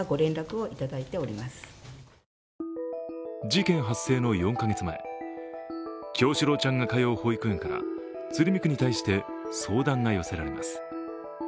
事件発生の４カ月前、叶志郎ちゃんの通う保育園から鶴見区に対して相談が寄せられます。